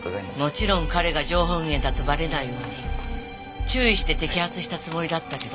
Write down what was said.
もちろん彼が情報源だとバレないように注意して摘発したつもりだったけど。